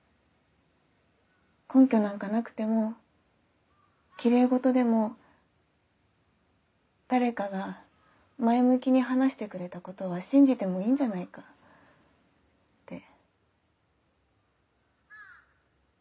根拠なんかなくてもキレイ事でも誰かが前向きに話してくれたことは信じてもいいんじゃないかって。